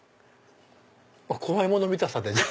怖いもの見たさでじゃあ。